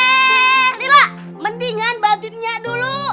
eh lila mendingan bantu tanya dulu